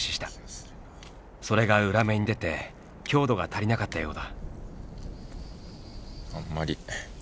それが裏目に出て強度が足りなかったようだ。